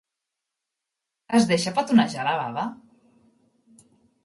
Es deixa petonejar la Baba?